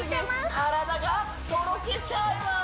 体がとろけちゃいます